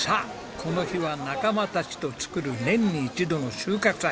この日は仲間たちとつくる年に一度の収穫祭。